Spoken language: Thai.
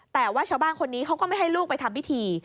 แต่ว่าชาวบ้านคนนี้เขาก็ไม่ให้ลูกไปทำพิธี